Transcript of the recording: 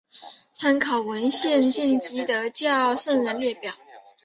参考文献见基督教圣人列表。